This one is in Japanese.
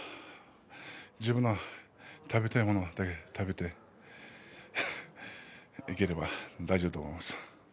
自分の食べたいものを食べていければ大丈夫だと思います。